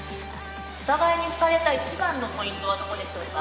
お互いに惹かれた一番のポイントはどこでしょうか？